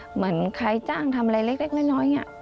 เหมือนใครจ้างทำอะไรเล็กน้อย